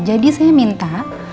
jadi saya minta